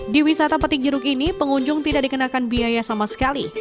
di wisata petik jeruk ini pengunjung tidak dikenakan biaya sama sekali